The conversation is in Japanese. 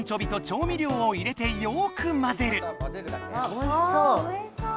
おいしそう。